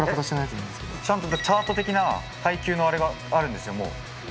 ちゃんとチャート的な配球のあれがあるんですよ、もう。